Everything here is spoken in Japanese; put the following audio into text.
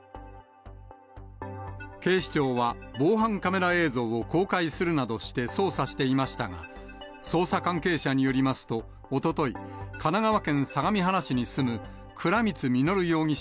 警視庁は、防犯カメラ映像を公開するなどして捜査していましたが、捜査関係者によりますと、おととい、神奈川県相模原市に住む倉光実容疑者